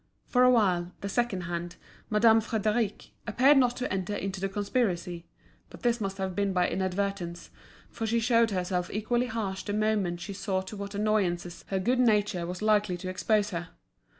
For a while, the second hand, Madame Frédéric, appeared not to enter into the conspiracy, but this must have been by inadvertence, for she showed herself equally harsh the moment she saw to what annoyances her good nature was likely to expose her.